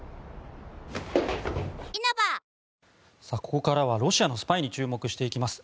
ここからはロシアのスパイに注目していきます。